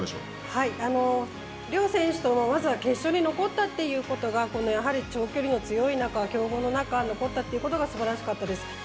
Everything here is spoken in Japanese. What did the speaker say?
両選手ともまずは決勝に残ったということがやはり長距離の強い中強豪の中、残ったということがすばらしかったです。